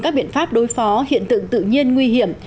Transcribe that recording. các biện pháp đối phó hiện tượng tự nhiên nguy hiểm